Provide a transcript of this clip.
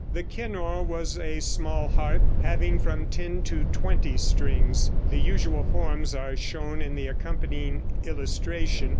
The kinnor was a small harp having from ten to twenty strings. The usual forms are shown in the accompanying illustration.